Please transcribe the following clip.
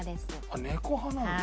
あっ猫派なんだ。